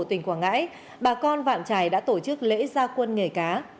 tỉnh quảng ngãi bà con vạn trài đã tổ chức lễ gia quân nghề cá